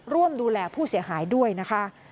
ร่วมดูแลผู้เสียหายด้วยนะคะ